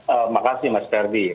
terima kasih mas kerdie